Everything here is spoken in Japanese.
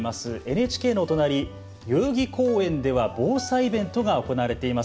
ＮＨＫのお隣、代々木公園では防災イベントが行われています。